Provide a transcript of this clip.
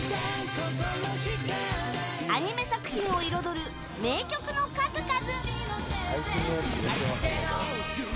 アニメ作品を彩る名曲の数々。